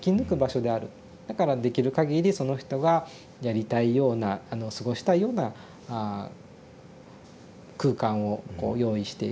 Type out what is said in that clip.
だからできるかぎりその人がやりたいような過ごしたいような空間をこう用意していく。